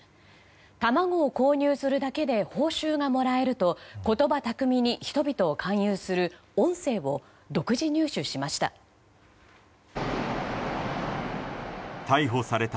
卵を購入するだけで報酬がもらえると言葉巧みに人々を勧誘する音声を独自入手しました。